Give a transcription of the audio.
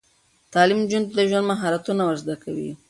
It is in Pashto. تعلیم نجونو ته د ژوند مهارتونه ور زده کوي.